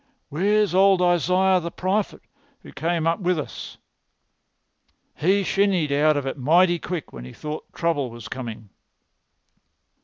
Where's old Isaiah the prophet who came up with us?" "He shinned out of it mighty quick when he thought trouble was coming."